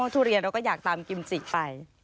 ทุเรียนเราก็อยากตามกิมจิไป